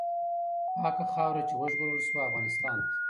پاکه خاوره چې وژغورل سوه، افغانستان دی.